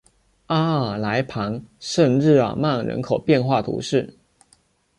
阿尔来旁圣日耳曼人口变化图示